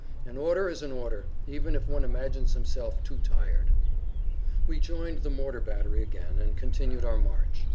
An order is an order, even if one imagines himself too tired." We joined the mortar battery again, and continued our march.